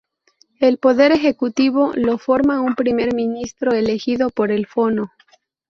El poder ejecutivo lo forma un primer ministro elegido por el Fono.